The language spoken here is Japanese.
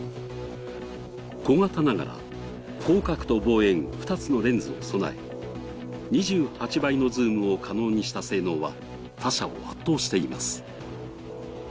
小型ながら、広角と望遠、２つのレンズを備え、２８倍のズームを可能にした性能は他社を圧倒しています。